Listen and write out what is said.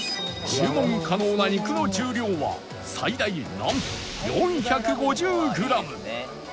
注文可能な肉の重量は最大なんと４５０グラム